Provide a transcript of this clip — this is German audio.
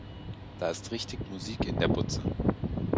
Da ist richtig Musik in der Butze.